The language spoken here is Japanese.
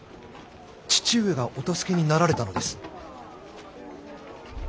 父上がお助けになられたのです。